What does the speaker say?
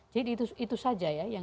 jadi itu saja ya